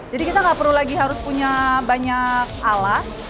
jadi kita nggak perlu lagi harus punya banyak alat